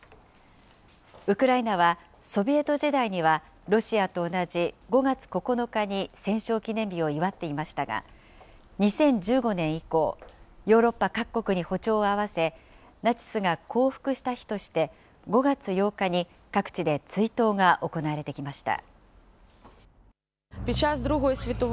ウクライナはソビエト時代には、ロシアと同じ５月９日に戦勝記念日を祝っていましたが、２０１５年以降、ヨーロッパ各国に歩調を合わせ、ナチスが降伏した日として、５月８日に各地で追悼が行われてきました。